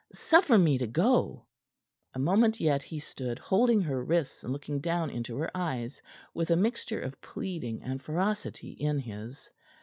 Suffer me to go." A moment yet he stood, holding her wrists and looking down into her eyes with a mixture of pleading and ferocity in his.